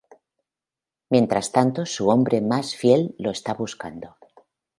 Mientras tanto su hombre más fiel lo está buscando.